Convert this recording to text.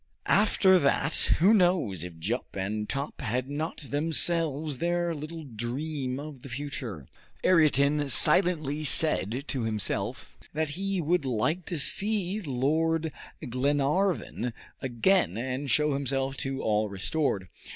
After that, who knows if Jup and Top had not themselves their little dream of the future. Ayrton silently said to himself that he would like to see Lord Glenarvan again and show himself to all restored.